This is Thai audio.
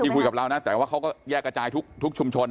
คุยกับเรานะแต่ว่าเขาก็แยกกระจายทุกชุมชน